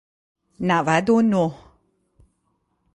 نود و نه